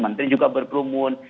menteri juga berkerumun